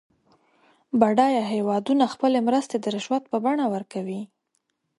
بډایه هېوادونه خپلې مرستې د رشوت په بڼه ورکوي.